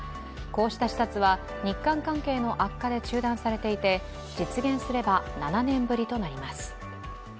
こうした視察は日韓関係の悪化で中断されていて実現すれば７年ぶりとなります。